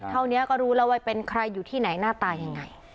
เท่านี้ก็รู้แล้วว่าเป็นใครอยู่ที่ไหนหน้าตายังไง